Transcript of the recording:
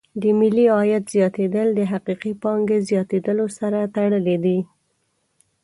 د ملي عاید زیاتېدل د حقیقي پانګې زیاتیدلو سره تړلې دي.